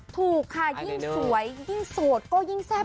ถูกค่ะยิ่งสวยยิ่งโสดก็ยิ่งแซ่บ